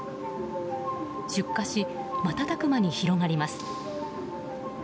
出火し、瞬く間に広がります。